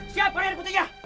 siapkan air putihnya